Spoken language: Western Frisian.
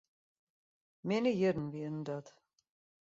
Minne jierren wienen dat.